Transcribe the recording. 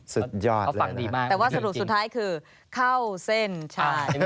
สุดยอดเลยนะครับแต่ว่าสรุปสุดท้ายคือเข้าเส้นชาติ